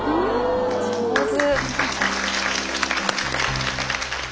上手。